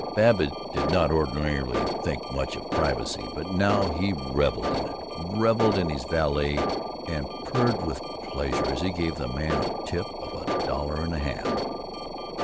Babbitt did not ordinarily think much of privacy, but now he reveled in it, reveled in his valet, and purred with pleasure as he gave the man a tip of a dollar and a half.